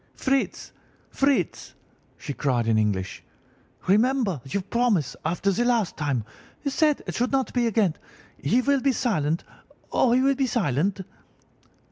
"'Fritz! Fritz!' she cried in English, 'remember your promise after the last time. You said it should not be again. He will be silent! Oh, he will be silent!